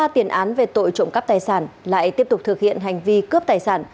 ba tiền án về tội trộm cắp tài sản lại tiếp tục thực hiện hành vi cướp tài sản